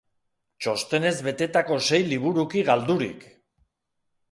Txostenez betetako sei liburuki galdurik!